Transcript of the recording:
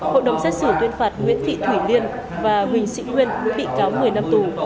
hội đồng xét xử tuyên phạt nguyễn thị thủy liên và huỳnh sĩ nguyên mỗi bị cáo một mươi năm tù